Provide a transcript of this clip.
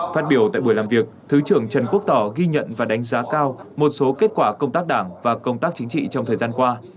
phát biểu tại buổi làm việc thứ trưởng trần quốc tỏ ghi nhận và đánh giá cao một số kết quả công tác đảng và công tác chính trị trong thời gian qua